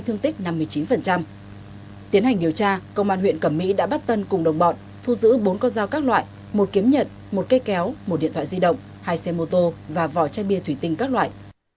tiến hành điều tra công an huyện cẩm mỹ đã bắt tân cùng đồng bọn thu giữ bốn con dao các loại một kiếm nhật một cây kéo một điện thoại di động hai xe mô tô và vỏ chai bia thủy tinh các loại